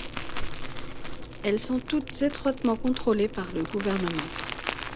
Elles sont toutes étroitement contrôlées par le gouvernement.